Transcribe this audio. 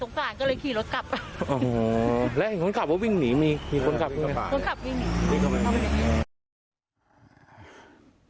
ทรงสะพานก็เลยขี่รถกลับอ๋อและเห็นขนท่าวิ่งหนีมีขนท่างอุะ